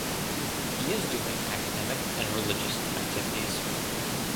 He is doing academic and religious activities.